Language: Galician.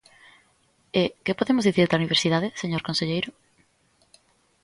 E ¿que podemos dicir da universidade, señor conselleiro?